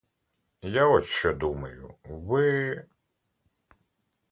Я от що думаю: ви.